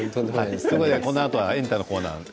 このあとはエンタのコーナーです。